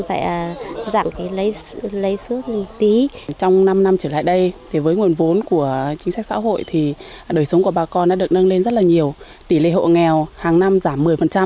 tại vì vậy tổng số hội viên rất là nhiều tỷ lệ hộ nghèo hàng năm giảm một mươi